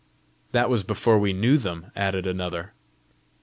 "That was before we knew them!" added another.